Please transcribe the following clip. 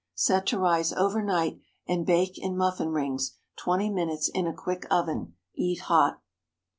Set to rise over night, and bake in muffin rings twenty minutes in a quick oven. Eat hot.